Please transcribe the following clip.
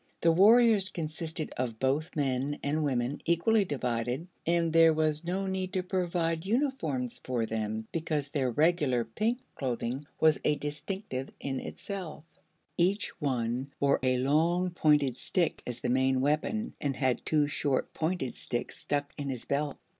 The warriors consisted of both men and women, equally divided, and there was no need to provide uniforms for them because their regular pink clothing was a distinctive uniform in itself. Each one bore a long pointed stick as the main weapon and had two short pointed sticks stuck in his belt.